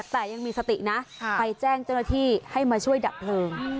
แต่ยังมีสตินะไปแจ้งเจ้าหน้าที่ให้มาช่วยดับเพลิง